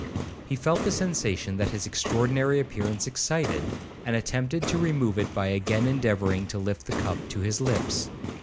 He felt the sensation that his extraordinary appearance excited, and attempted to remove it by again endeavouring to lift the cup to his lips.